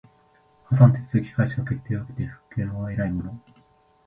破産手続開始の決定を受けて復権を得ない者